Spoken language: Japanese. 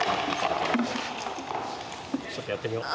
ちょっとやってみよう。